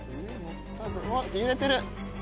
揺れてる！